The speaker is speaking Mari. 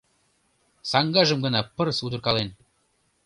Саҥгажым гына пырыс удыркален!